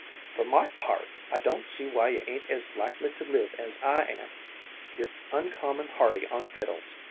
For my part, I don't see why you ain't as likely to live as I am. You're uncommon hearty on vittles.